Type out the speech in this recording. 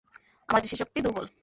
আমার দৃষ্টিশক্তি দুর্বল।